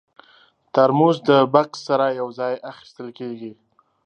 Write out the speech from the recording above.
ترموز د بکس سره یو ځای اخیستل کېږي.